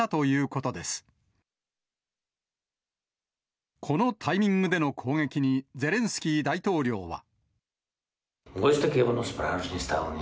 このタイミングでの攻撃に、ゼレンスキー大統領は。